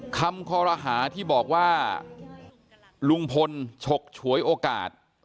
คอรหาที่บอกว่าลุงพลฉกฉวยโอกาส